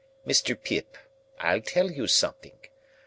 Mr. Pip, I'll tell you something.